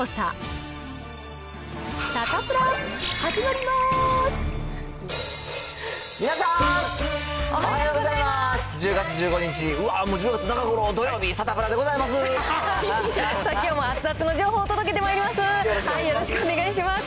さあ、きょうも熱々の情報を届けてまいります。